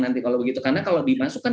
nanti kalau begitu karena kalau dimasukkan